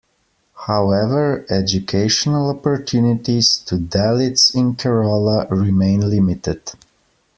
However, educational opportunities to Dalits in Kerala remain limited.